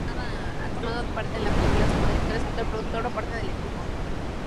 Ha tomado parte en películas como director, escritor, productor o parte del equipo.